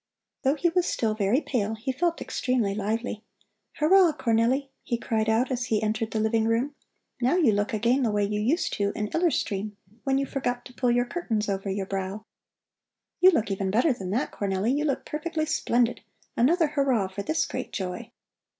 Though he was still very pale, he felt extremely lively. "Hurrah, Cornelli!" he cried out as he entered the living room. "Now you look again the way you used to in Iller Stream when you forgot to pull your curtains over your brow. You even look better than that, Cornelli, you look perfectly splendid! Another hurrah for this great joy!"